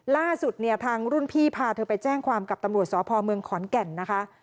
ล่าสุดเนี่ยทางรุ่นพี่พาเธอไปแจ้งความกับตำรวจสพเมืองขอนแก่นนะคะ